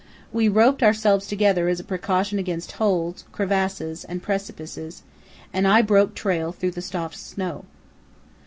We roped ourselves together as a precaution against holes, crevasses, and precipices, and I broke trail through the soft snow.